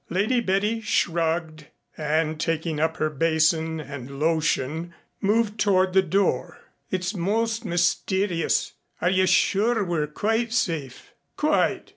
Lady Betty shrugged, and taking up her basin and lotion moved toward the door. "It's most mysterious. Are you sure we're quite safe?" "Quite.